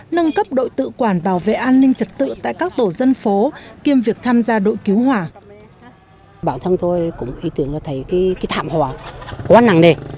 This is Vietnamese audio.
nâng cấp đội tự quản bảo vệ an ninh trật tự tại các tổ dân phố kiêm việc tham gia đội cứu hỏa